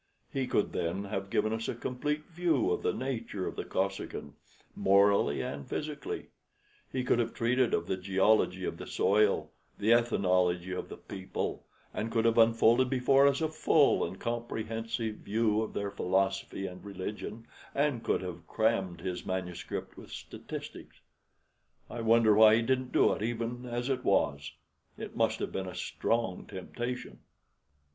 He could then have given us a complete view of the nature of the Kosekin, morally and physically; he could have treated of the geology of the soil, the ethnology of the people, and could have unfolded before us a full and comprehensive view of their philosophy and religion, and could have crammed his manuscript with statistics. I wonder why he didn't do it even as it was. It must have been a strong temptation."